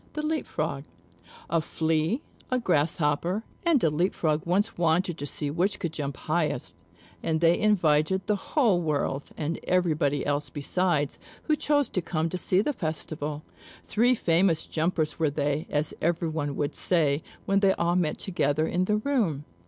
THE LEAP FROG A Flea, a Grasshopper, and a Leap frog once wanted to see which could jump highest; and they invited the whole world, and everybody else besides who chose to come to see the festival. Three famous jumpers were they, as everyone would say, when they all met together in the room.